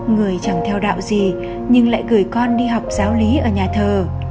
người chẳng theo đạo gì nhưng lại gửi con đi học giáo lý ở nhà thờ